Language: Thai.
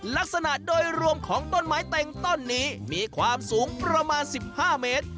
ลักษณะโดยรวมของต้นไม้เต็งต้นนี้มีความสูงประมาณ๑๕เมตร